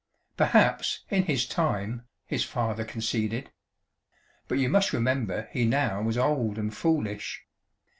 "Perhaps, in his time," his father conceded. "But you must remember he now was old and foolish.